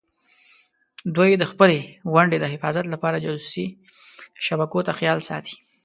دوی د خپلې ونډې د حفاظت لپاره جاسوسي شبکو ته خیال ساتي.